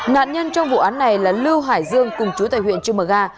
nạn nhân trong vụ án này là lưu hải dương cùng chú tại huyện trư mờ ga